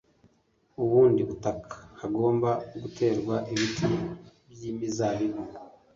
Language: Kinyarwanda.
ubundi butaka Hagomba guterwa ibiti byimizabibu